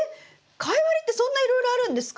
カイワレってそんないろいろあるんですか？